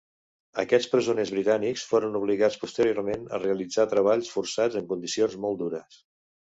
Aquests presoners britànics foren obligats posteriorment a realitzar treballs forçats en condicions molt dures.